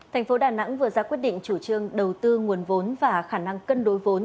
thành phố đà nẵng vừa ra quyết định chủ trương đầu tư nguồn vốn và khả năng cân đối vốn